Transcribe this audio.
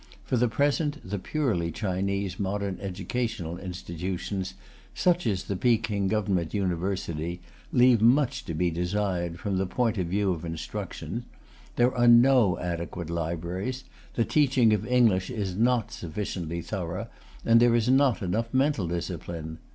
For the present, the purely Chinese modern educational institutions, such as the Peking Government University, leave much to be desired from the point of view of instruction; there are no adequate libraries, the teaching of English is not sufficiently thorough, and there is not enough mental discipline.